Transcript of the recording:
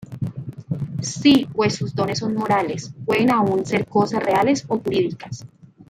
Sí, pues sus dones son morales, pueden aún ser cosas reales o jurídicas.